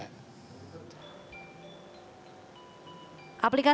aplikasi ini juga bisa diperlukan untuk latihan terapi gerak